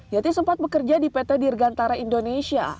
yati sempat bekerja di pt dirgantara indonesia